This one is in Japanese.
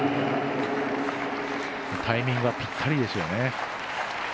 タイミングはぴったりですよね。